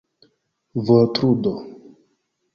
vortludo